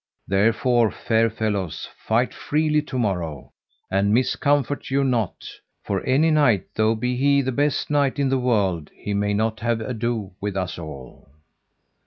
Therefore, fair fellows, fight freely to morrow, and miscomfort you nought; for any knight, though he be the best knight in the world, he may not have ado with us all.